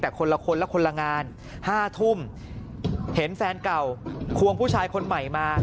แต่คนละคนและคนละงาน๕ทุ่มเห็นแฟนเก่าควงผู้ชายคนใหม่มา